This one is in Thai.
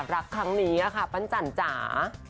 รักครั้งนี้ค่ะปั้นจันจ๋า